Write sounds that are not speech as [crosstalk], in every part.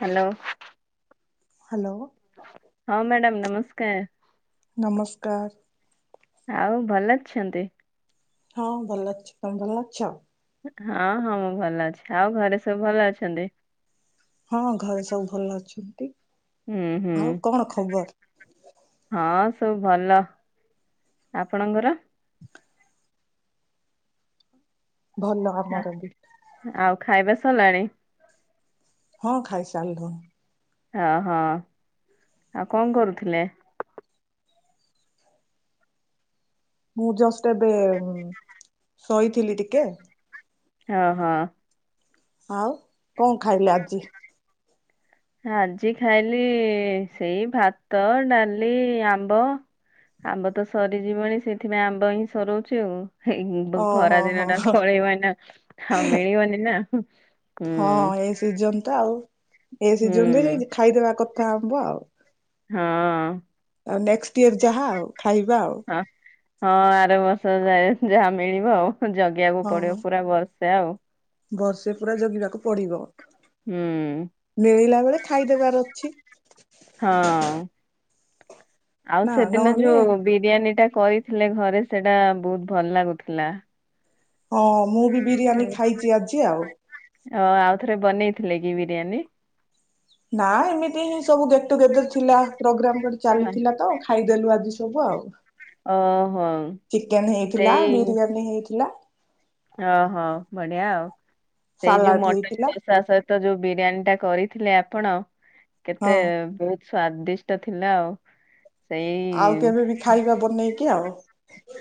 Hello. Hello. ହଁ madam ନମସ୍କାର୍। ନମସ୍କାର୍। ଆଉ ଭଲ ଅଛନ୍ତି? ହଁ ଭଲ ଅଛି, ତମେ ଭଲ ଅଛ? ହଁ ହଁ ମୁଁ ଭଲ ଅଛି, ଆଉ ଘରେ ସବୁ ଭଲ ଅଛନ୍ତି? ହଁ ଘରେ ସବୁ ଭଲ ଅଛନ୍ତି, ହୁଁ ହୁଁ ଆଉ କଣ ଖବର? ହଁ ସବୁ ଭଲ, ଆପଣଙ୍କର? ଭଲ ଆମର ବି। ଆଉ ଖାଇବା ସରିଲାଣି? ହଁ ଖାଇସାରିଲୁ ହଁହଁ ଆଉ କଁ କରୁଥିଲେ? ମୁଁ ଜଷ୍ଟ୍ ଏବେ ଶୋଇଥିଲି ଟିକେ। ହଁ ହଁ। ଆଉ କଁ ଖାଇଲେ ଆଜି? ଆଜି ଖାଇଲି ସେଇ ଭାତ, ଡାଲି, ଆମ୍ବ। ଆମ୍ବ ତ ସରିଯିବଣି ସେଇଥିପାଇଁ ଆମ୍ବ ହିଁ ସରୋଉଚି ଆଉ। ଏଇ ଖରା ଓହୋ ହୋ ଦିନ ଟା ହୋ ପଳେଇବ ନା ଆଉ ମିଳିବନି ନା। ହୁଁ। ଜନ୍ ତ ଆଉ ଏଇ ହୁଁ ସିଜନ୍ ରେ ଖାଇଦବା କଥା ଆମ୍ବ ଆଉ। ହଁ। ଆଉ ନେକ୍ସ୍ ଟ ଇୟର ଯାହା ଆଉ ଖାଇବା ଆଉ। ଅଁ ହଁ ଆର ବର୍ଷ ଯାଏ ଯାହା ମିଳିବ ଆଉ। ଜଗିବାକୁ ହଁ ପଡିବ ପୁରା ବର୍ଷେ ଆଉ। ବର୍ଷେ ପୁରା ଜଗିବାକୁ ପଡିବ। ହୁଁ। ମିଳିଲା ବେଳେ ଖାଇଦେବାର୍ ଅଛି। ହଁ ଆଉ ନା ସେଦିନ ନହେଲେ ଯୋଉ ବିରିୟାନୀ ଟା କରିଥିଲେ ଘରେ ସେଟା ବୋହୁତ୍ ଭଲ୍ ଲାଗୁଥିଲା। ହଁ ମୁଁ ବି ବିରିୟାନୀ ଖାଇଚି ଆଜି ଆଉ। ଓ ଆଉ ଥରେ ବନେଇଥିଲେ କି ବିରିୟାନୀ? ନା ଏମିତି ହିଁ ସବୁ ଗେଟ୍ ଟୁଗେଦର୍ ଥିଲା ପ୍ରୋଗ୍ରାମ୍ ଗୋଟେ ହଁ। ଚାଲିଥିଲା ତ। ଖାଇଦେଲୁ ଆଜି ସବୁ ଆଉ। ଓଁ ହୋଁ। ଚିକେନ୍ ହେଇଥିଲା ବିରିୟାନୀ ହେଇଥିଲା। ଓହୋଁ ବଢିଆ ଆଉ ସେଇ ଯୋଉ ସାଲାଡ ମଟନ୍ ହେଇଥିଲା ଦୋସା ସ ତ ଯୋଉ ବିରିୟାନୀ ଟା କରିଥିଲେ ଆପଣ ହଁ। କେତେ ବୋ ସ୍ଵାଦିଷ୍ଟ ଥିଲା ଆଉ ଆଉ ସେଇ କେବେ ବି ଖାଇବା ବନେଇକି ଆଉ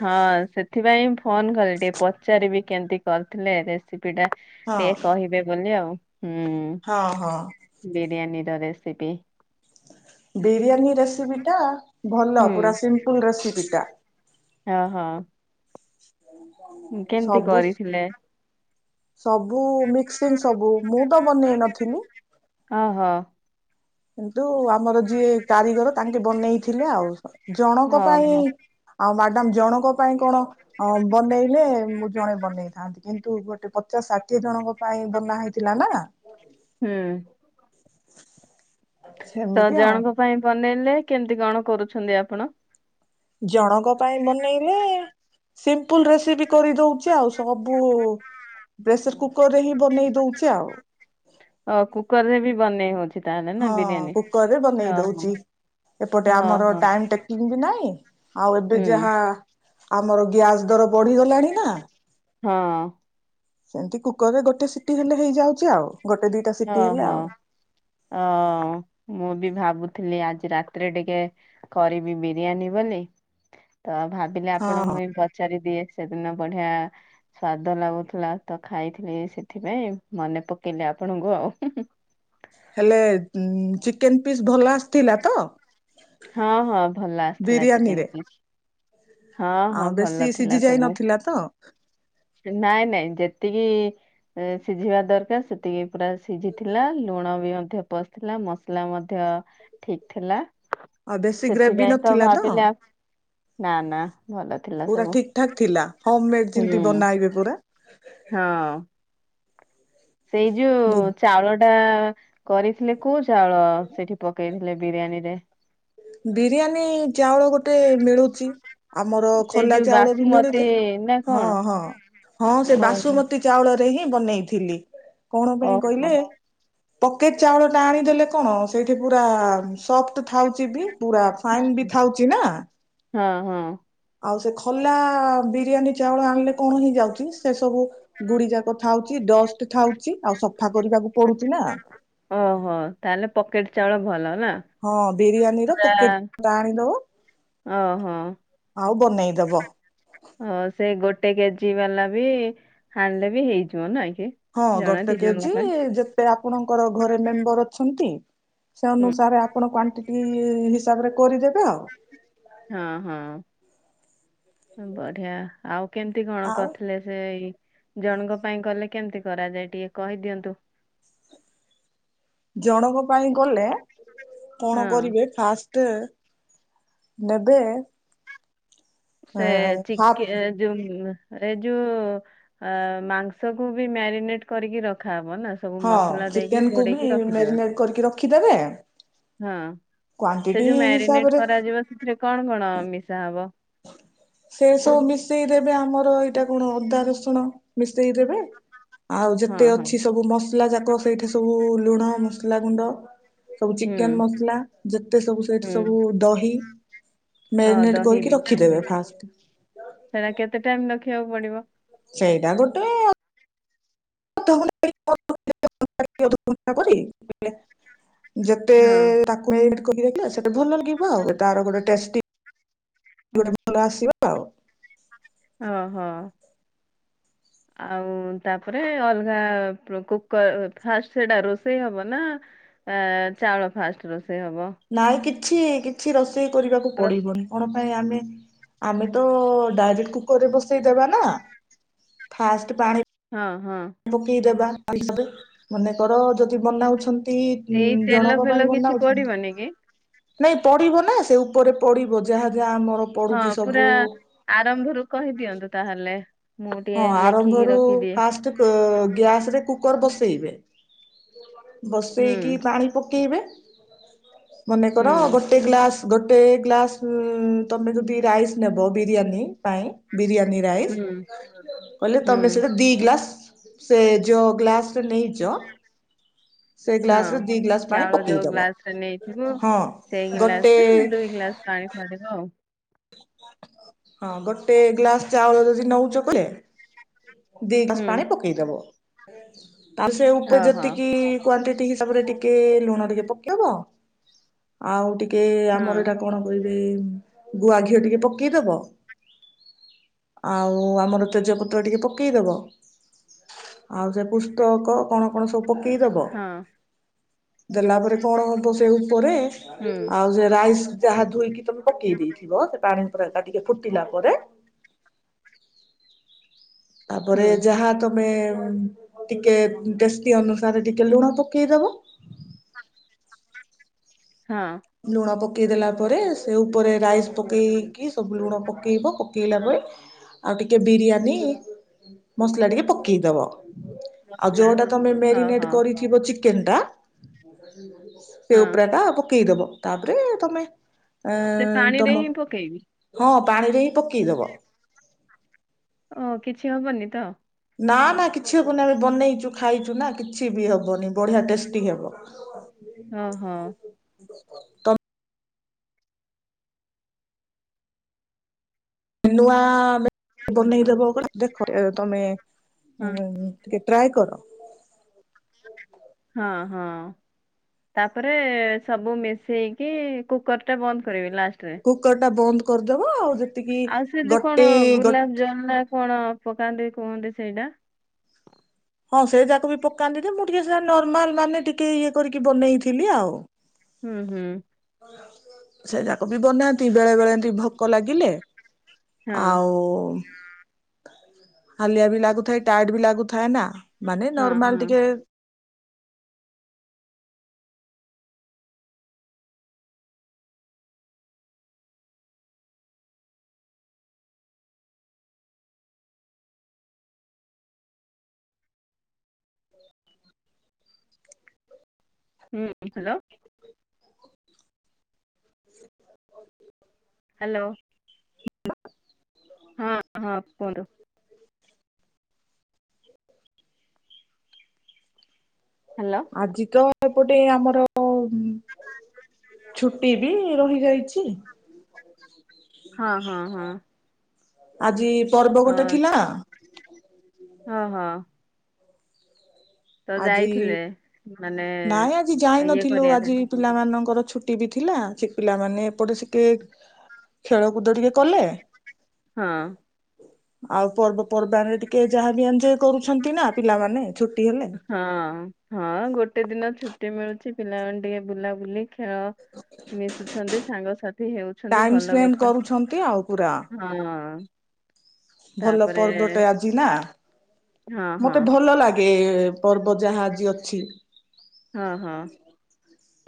ହଁ ସେଥିପାଇଁ ଫୋନ୍ କଲେ ଟିକେ ପଚାରିବି କେମତି କରିଥିଲେ। ସିପି ଟା ହଁ ଟିକେ କହିବେ ବୋଲି ଆଉ। ହଁ ହଁ। ବିରିୟାନି ର ରେସିପି। ବିରିୟାନୀ ରେସିପି ଟା ଭଲ ହୁଁ ପୁରା ସିମ୍ପୁଲ୍ ରେସିପି ଟା। ଅଁ ହଁ। ହୁଁ ହ। ହୁଁ କେମ୍ତି କରିଥିଲେ? ସବୁ ମିକ୍ସିଂ ସବୁ ମୁଁ ତ ବନେଇ ନଥିଲି। ଓହୋ। କିନ୍ତୁ ଆମର ଯିଏ କାରିଗର ତାଙ୍କେ ବନେଇଥିଲେ ଆଉ। ଜଣଙ୍କ ପାଇଁ ଓହୋ ଆଉ ମ୍ୟାଡ଼ାମ ଜଣଙ୍କ ପାଇଁ କଣ ଅ ବନେଇଲେ ମୁଁ ଜଣେ ବନେଇଥାନ୍ତି। କିନ୍ତୁ ଗୋଟେ ପଚାଶ ଷାଠିଏ ଜଣଙ୍କ ପାଇଁ ବନା ହେଇଥିଲା ନା। ହୁଁ। ତ ସେମିତି ଆଉ ଜଣଙ୍କ ପାଇଁ ବନେଇଲେ କେମତି କଣ କରୁଛନ୍ତି ଆପଣ? ଜଣଙ୍କ ପାଇଁ ବନେଇଲେ ସିମ୍ପଲ ରେସିପି କରିଦଉଚି ଆଉ। ସବୁ ପ୍ରେସର କୁକର ରେ ହିଁ ବନେଇ ଦଉଚି ଆଉ। ଆ କୁକର ରେ ବି ବନେଇ ହଉଚି? ହଁ କୁକରରେ ବନେଇ ଦଉଚି। ଏପଟେ ହଁ ଆମର ହଁ ଟାଇମ ଟେକ୍ କିଙ୍ଗ ନାଇଁ। ଆଉ ଏବେ ହୁଁ ଯାହା ଆମର ଗ୍ୟାସ ଦର ବଢିଗଲାଣି ନା। ହଁ। ସେମିତି କୁକର ରେ ଗୋଟେ ସିଟି ହେଲେ ହେଇଯାଉଚି ଆଉ। ଗୋଟେ ଦି ଓହୋ ଓ ମୁଁ ବି ଭାବୁଥିଲି ଆଜି ରାତିରେ ଟିକେ କରିବି ବିରିୟାନୀ ବୋଲି ତ ଭାବିଲେ ହଁ ହଁ। ଆପଣଙ୍କୁ ବି ପ ଚାରି ଦିଏ ସେଦିନ ବଢିଆ ସ୍ଵାଦ ଲାଗୁଥିଲା ତ ଖାଇଥିଲି ସେଥିପାଇଁ ମନେ ପକେଇଲେ ଆପଣଙ୍କୁ ଆଉ। ଉଁ ହୁଁ ହୁଁ। ହେଲେ ଉଁ ଚିକେନ ପିସ୍ ଭଲ ଆସିଥିଲା ତ? ହଁ ହଁ ଭଲ ଆସିଥିଲା ଚିକେନ ବିରିୟାନୀରେ? ପିସ୍। ହଁ ଆଉ ହଁ ବେଶୀ ଭଲ ସିଝି ଥିଲା ଯାଇ ସବୁ। ନଥିଲା ତ ନାଇଁ ନାଇଁ ଯେତିକି ଏ ସିଝିବା ଦରକାର ସେତିକି ପୁରା ସିଝିଥିଲା। ଲୁଣ ବି ମଧ୍ୟ ପସିଥିଲା। ମସଲା ମଧ୍ୟ ଠିକ ଥିଲା। ଆଉ ବେଶୀ ଗ୍ରେଭି ସେଥିପାଇଁ ତ ନଥିଲା ଭାବିଲେ ଆଉ ନା ନା ଭଲ ଥିଲା ପୁରା ସବୁ। ଠିକ ଠାକ ଥିଲା ହମ ମେଡ ହୁଁ ଯେମିତି ବନାଇବେ ପୁରା। ହଁ। ସେଇ ଯୋଉ ଚାଉଳ ଟା କରିଥିଲେ କୋଉ ଚାଉଳ ସେଠି ପକେଇଥିଲେ ବିରିୟାନୀ ରେ? ବିରିୟାନୀ ଚାଉଳ ଗୋଟେ ମିଳୁଚି। ଆମର ସେଇ ଖୋଲା ଯୋଉ ଚାଉଳ ବି ବାସୁମତୀ ମିଳୁଥା ନା ହଁ କଣ? ହଁ ହଁ ସେ ଓହୋ। ବାସୁମତୀ ଚାଉଳରେ ହିଁ ବନେଇଥିଲି। କଣ ପାଇଁ ଓହୋ କହିଲେ ପକେଟ ଚାଉଳ ଟା ଆଣିଦେଲେ କଣ ସେଇଠି ପୁରା ସଫ୍ଟ ଥାଉଚି ବି। ପୁରା ଫାଇନ ବି ଥାଉଚି ନା? ହଁ ହଁ। ଆଉ ସେ ଖୋଲା ବିରିୟାନୀ ଚାଉଳ ଆଣିଲେ କଣ ହେଇ ଯାଉଚି। ସେ ସବୁ ଗୁଡି ଯାକ ଥାଉଚି। ଡଷ୍ଟ ଥାଉଚି, ଆଉ ସଫା କରିବାକୁ ପଡୁଚି ନା? ଓହୋ ତାହେଲେ ପକେଟ ଚାଉଳ ଭଲ ନା? ହଁ ବିରିୟାନୀ ର ପୁରା ପକେଟ୍ ଟା ଆଣିଦବ। ଓହୋ ଆଉ ବନେଇଦବ। ଅ ସେ ଗୋଟେ କେଜି ବାଲା ବି ଆଣିଲେ ବି ହେଇଯିବ ନାଁ କି? ହଁ ଜଣେ ଗୋଟେ ଦି ଜଣଙ୍କ କେଜି ପାଇଁ ଯେ ତେ ଆପଣଙ୍କର ଘରେ ମେମ୍ବର ଅଛନ୍ତି ସେ ଅନୁସାରେ ଆପଣ କ୍ୱାଣ୍ଟି ଟି ହିସାବ ରେ କରିଦେବେ ଆଉ। ହଁ ହଁ ବଢିଆ। ଆଉ କେମିତି କଣ ଆଉ କରିଥିଲେ ସେଇ ଜଣଙ୍କ ପାଇଁ କଲେ କେମିତି କରାଯାଏ ଟିକେ କହିଦିଅନ୍ତୁ। ଜଣଙ୍କ ପାଇଁ ଗଲେ କଣ ହଁ। କରିବେ ଫାଷ୍ଟ ଟ୍ ନବେ। ସେ ହାଫ୍ ଚିକେ ଏ ଯୋଉଁମ ଏଇ ଯୋଉ ଅ ମାଂସକୁୁ ବି ମ୍ୟାରିନେଟ କରିକି ରଖାହବ ନା? ସବୁ ହଁ ମସଲା ଦେଇକି ଚିକେନ କୁ ବି ଘୋଡେଇକି ରଖିଦେବା। ମ୍ୟାରିନେଟ କରିକି ରଖିଦେବେ। ହଁ ସେ କ୍ଵାଣ୍ଟିଟି ଯୋଉ ମ୍ୟାରିନେଟ ହିସାବରେ କରାଯିବ ସେଥିରେ କଣ କଣ ମିଶା ହବ? ସେ ସବୁ ମିଶେଇ ଦେବେ ଆମର ଏ ଏଟା କଣ ଅଦା ରସୁଣ ମିଶେଇଦେବେ ଆଉ ହଁ ଯେତେ ହଁ ଅଛି ସବୁ ମସଲା ଯାକ ଶ୍ ସେଇଠି ସବୁ ଲୁଣ ମସଲା ଗୁଣ୍ଡ ସବୁ ହୁଁ ଚିକେନ ମସଲା ଯେତେ ସବୁ ସେଠି ସବୁ ହୁଁ ଦହି ମେରିନେଟ କରିକି ର ଆଜ୍ଞା। ସେଇଟା କେତେ ଟାଇମ ରଖିବାକୁ ପଡିବ? ସେଇଟା ଗୋଟେ [unintelligible] [unintelligible] ଅଧଘଣ୍ଟା କରି [unintelligible] ଯେତେ ହଁ ତାକୁ [unintelligible] ସେତେ ଭଲ ଲାଗିବ ଆଉ ତାର ଗୋଟେ ଟେଷ୍ଟୀ। ଗୋଟେ ଭଲ ଆସିବା ଆଉ। ଓହୋ। ଆଉ ତାପରେ ଅଲଗା ପୁ କୁକର ଫାଷ୍ଟ ସେଟା ରୋଷେଇ ହବ ନା ଏ ଚାଉଳ ଫାଷ୍ଟ ରୋଷେଇ ହବ? ନାଇଁ କିଛି କିଛି ରୋଷେଇ କରିବାକୁ ପ୍ର- ପଡିବନି। କଣ ପାଇଁ ଆମେ ଆମେ ତ ଡାଇରେକ୍ଟ କୁକରରେ ବସେଇଦବା ନା। ଫାଷ୍ଟ ପାଣି ହଁ ହଁ। ପକେଇଦବା [inaudible] ମନେକର ଯଦି ବନାଉଛନ୍ତି ଇ ଏଇ ତେଲ ଜଣଙ୍କ ଫେଲ ପାଇଁ କିଛି ବନାଉଛନ୍ତି ପଡିବନି କି? ନାଇଁ ପଡିବ ନା ସେ ଉପରେ ପଡିବ ଯାହା ଯାହା ଆମର ହଁ ପଡୁଛି ପୁରା ସବୁ ଆରମ୍ଭରୁ କହିଦିଅନ୍ତୁ ତାହେଲେ। ମୁଁ ଟିକେ ହଁ ଲେଖିକି ଆରମ୍ଭରୁ ରଖିଦିଏ। ଫାଷ୍ଟ ଗ୍ୟାସ ରେ କୁକର ବସେଇବେ। ହୁଁ ବସେଇକି ପାଣି ପକେଇବେ ହୁଁ ମନେକର ଗୋଟେ ଗୋଟେ ଗ୍ଲାସ ଗୋଟେ ଗ୍ଲାସ ତମେ ଯଦି ରାଇସ ନେବ ବିରିୟାନୀ ପାଇଁ ବିରିୟାନୀ ରାଇସ୍ ହୁଁ କହିଲେ ହୁଁ ତମେ ସେଇଟା ଦି ଗ୍ଲାସ ସେ ଯୋଉ ଗ୍ଲାସରେ ନେଇଛ ସେ ହଁ ଗ୍ଲାସ ରେ ଦି ଗ୍ଲାସ ପାଣି ଚାଉଳ ଯୋଉ ପକେଇଦବ ଗ୍ଲାସ ରେ ନେଇଥିବ ହଁ ସେଇ ଗୋଟେ ଗ୍ଲାସ ରେ ଦୁଇ ଗ୍ଲାସ ପାଣି ଫଡିବ ଆଉ। ହଁ ଗୋଟେ ଗ୍ଲାସ୍ ଚାଉଳ ଯଦି ନେଉଛ କେ ଦି ଗସା ହୁଁ ପାଣି ପକେଇଦବ ତା ସେ ଉପରେ ହଁ ହଁ ଯେତିକି କ୍ଵାଣ୍ଟିଟି ହିସାବରେ ଟିକେ ଲୁଣ ଟିକେ ପକେଇଦବ। ଆଉ ଟିକେ ହଁ ଆମର ଏଇଟା କଣ କହିବେ ଗୁଆ ଘିଅ ଟିକେ ପକେଇଦବ ଆଉ ଆମର ତେଜପତ୍ର ଟିକେ ପ ପକେଇଦବ ଆଉ ସେ ପୁସ୍ତକ କଣ କଣ ସବୁ ପକେଇଦବ। ହଁ। ଦେଲା ପରେ କଣ ହବ ସେ ଉପରେ ହୁଁ ଆଉ ସେ ରାଇସ ଯାହା ଧୋଇକି ତମେ ପକେଇ ଦେଇଥିବ ସେ ପାଣି ପରାଟା ଟିକେ ଫୁଟିଲା ପରେ ହୁଁ ତାପରେ ଯାହା ତମ ଆମେ ଟିକେ ଟେଷ୍ଟି ଅନୁସାରେ ଟିକେ ଲୁଣ ପକେଇଦବ। [unintelligible] ହଁ। ଲୁଣ ପକେଇ ଦେଲା ପରେ ସେ ଉପରେ ରାଇସ୍ ପକେଇକି ସବୁ ଲୁଣ ପକେଇବ ପକେଇଲା ପରେ ଆଉ ଟିକେ ବିରିୟାନୀ ମସଲା ଟିକେ ପକେଇଦବ। ଆଉ ମସଲା ଯୋଉଟା ତମେ ହଁ ମ୍ୟାରିନେଟ ହଁ କରିଥିବ ଚିକେନ ଟା ସେ ହଁ ଉପରା ଟା ପକେଇଦବ। ତାପରେ ତମେ ସେ ଏଁ ପାଣିରେ ତମ ହିଁ ପକେଇବି ହଁ ପାଣିରେ ହିଁ ପକେଇଦବ। ଓ କିଛି ହବନି ତ? ନା ନା କିଛି ହବନି ଆମେ ବନେଇଛୁ ଖାଇଛୁ ନା କିଛି ବି ହବନି ବଢିଆ ଟେଷ୍ଟି ହବ ହଁ ହଁ ତ ନୂଆ ବନେଇଦବ ଦେଖ ତମେ ଉ ହଁ ଟିକେ ଟ୍ରାଏ କର ହଁ ହଁ ତାପରେ ସବୁ ମିଶେଇକି କି କୁକର ଟା ବନ୍ଦ କରିବି ଲାଷ୍ଟରେ କୁକର ଟା ବନ୍ଦ କରିଦେବ ଆଉ ଯେତିକି ଆଉ ସେ ଯୋଉ କଣ ଗୋଟେ ଗ ଗୁଲାପ ଜମୁନା କଣ ପକାନ୍ତି କୁହନ୍ତି ସେଇଟା ହଁ ସେ ଯାକ ବି ପକାନ୍ତି ଟ ମୁଁ ଟିକେ ସେଟ ନର୍ମାଲ ମାନେ ଟିକେ ଇଏ କରିକି ବନେଇଥିଲି ଆଉ ହୁଁ ହୁଁ ସେ ଯାକ ବି ବନାନ୍ତି ବେଳେ ବେଳେ ଏମତି ଭୋକ ଲାଗିଲେ ହଁ ଆଉ ହାଲିଆ ବି ଲାଗୁଥାଏ ଟାଇଟ ବି ଲାଗୁଥାଏ ନା ମାନେ ହଁ ନର୍ମାଲ ହଁ ଟିକେ ହୁଁ ହ୍ୟାଲୋ ହ୍ୟାଲୋ ହଁ ହଁ କୁହନ୍ତୁ ହ୍ୟାଲୋ ଆଜି ତ ଏପଟେ ଆମର ଛୁଟି ବି ରହି ଯାଇଛି ହଁ ହଁ ହଁ ଆଜି ପର୍ବ ଅ ଗୋଟେ ଥିଲା ହଁ ହଁ ତ ଆଜି ଯାଇଥିଲେ ମାନେ ନାଇଁ ଆଜି ଯାଇ ଇଏ ନଥିଲୁ କରିବା ପାଇଁ ଆଜି ପିଲାମାନଙ୍କର ଛୁଟି ବି ଥିଲା ସେ ପିଲାମାନେ ଏପଟେ ସିକେ ଖେଳକୁଦ ଟିକେ କଲେ ହଁ ଆଉ ପର୍ବପର୍ବାଣୀରେ ଟିକେ ଯାହାବ ଏଜ କରୁଛନ୍ତି ନା ପିଲାମାନୋନେ ଛୁଟି ହେଲା ହଁ ହଁ ଗୋଟେ ଦିନ ଛୁଟି ମିଳୁଛି ପିଲାମାନେ ଟିକେ ବୁଲା ବୁଲି ଖେଳ ମିଶୁଛନ୍ତି ସାଙ୍ଗସାଥି ହେଉ ଟାଇମ ସ୍ପେଣ୍ଡ କରୁଛନ୍ତି ଆଉ ପୁରା ହଁ ଭଲ ତାପରେ ପର୍ବଟେ ଆଜି ନା ହଁ ହଁ ମତେ ଭଲ ଲାଗେ ପର୍ବ ଯାହା ଆଜି ଅଛି ହଁ ହଁ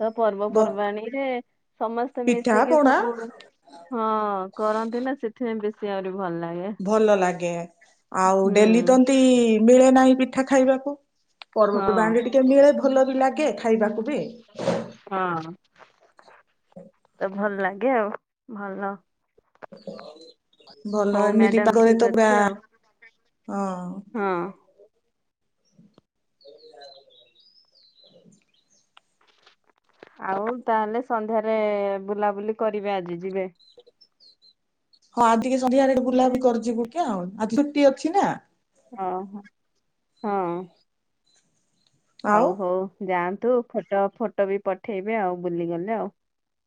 ତ ବ ପର୍ବପର୍ବାଣୀରେ ସମସ୍ତେ ପିଠା ମିଶିକି ପଣା ସବୁ ହଁ କରନ୍ତି ନା ସେଥିପାଇଁ ବେଶୀ ଆହୁରି ଭଲ ଲାଗେ ଭଲ ଲାଗେ ଆଉ ହୁଁ ଡେଲି ତମତି ମିଳେ ନାହିଁ ପିଠା ଖାଇବାକୁ ହଁ ପର୍ବପର୍ବାଣିରେ ଟିକେ ମିଳେ ଭଲ ବି ଲାଗେ ଖାଇବାକୁ ବି ହଁ ତ ଭଲ ଲାଗେ ଆଉ ଭଲ ଭଲ ହଉ ହ ମିତି ମ୍ୟାଡାମ ପାଖରେ ତା ଠିକ ଅଛି ଆଉ। ହଁ ହଁ ହ ଆଉ ତାହେଲେ ସନ୍ଧ୍ୟାରେ ବୁଲାବୁଲି କରିବେ ଆଜି ଯିବେ ହଁ ଆଜିିକ ସନ୍ଧ୍ୟା ଆଠି ବୁଲାବ ବି କରିଯିବୁ କି ଆଉ ଆଜି ଛୁଟି ଅଛି ନା ହଁ ହଁ ଆଉ। ହଉ ହଉ ଯାଆନ୍ତୁ ଫଟୋ ଫଟୋ ବି ପଠେଇବେ ଆଉ ବୁଲିଗଲେ ଆଉ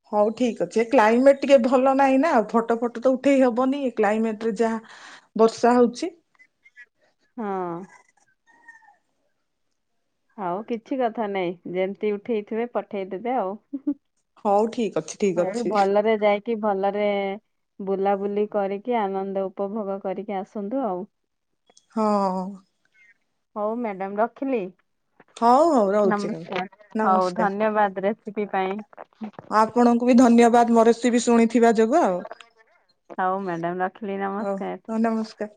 ହଉ ଠିକ ଅଛି ଏ କ୍ଲାଇମେଟ ଟିକେ ଭଲ ନାହିଁ ନାଉ ଫଟୋ ଫଟ ତ ଉଠେଇ ହବନି କ୍ଲାଇମେଟ ରେ ଯାହା ବର୍ଷା ହଉଛି ହଁ ଆଉ କିଛି କଥା ନାଇଁ ଯେମତି ଉଠେଇଥିବେ ପଠେଇଦବେ ଆଉ ହଉ ଠିକ ଅଛି। ଠିକ୍ ହଁ ଅଛି ଭଲରେ ଯାଇ କି ଭଲରେ ବୁଲାବୁଲି କରିକି ଆନନ୍ଦ ଉପଭୋଗ କରିକି ଆସନ୍ତୁ ଆଉ। ହଁ ଉ। ହଉ ମ୍ୟାଡାମ ରଖିଲି ହଉ ହଉ ରହୁଛି ରହୁଛି ନମସ୍କାର ହଉ ନମସ୍କାର। ଧନ୍ୟବାଦରେ। କିପ ପାଇଁ। ଆପଣଙ୍କୁ ବି ଧନ୍ୟବାଦ ମୋ ରେସିବି ଶୁଣିଥିବା ଯୋଗୁଁ ଆଉ। ହଉ ମ୍ୟାଡ଼ାମ ରଖିଲି ହଉ ନମସ୍କାର। ନମସ୍କାର।